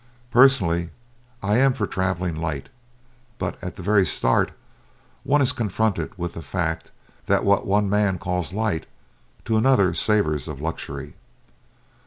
Personally, I am for travelling "light," but at the very start one is confronted with the fact that what one man calls light to another savors of luxury.